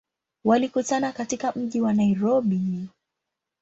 Walikutana katika mji wa Nairobi.